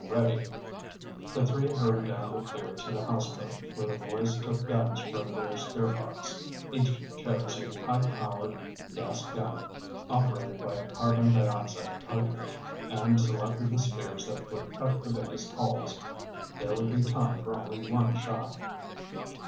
"Ready." The three hurried down the pier to the houseboat, where the boys took guns from their spear box. Each chose a high powered gas gun, operated by a carbon dioxide cartridge, and selected the spears that would cut the biggest holes. There would be time for only one shot.